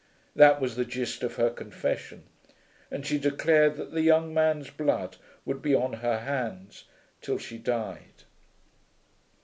That was the gist of her confession and she declared that the young man's blood would be on her hands till she died.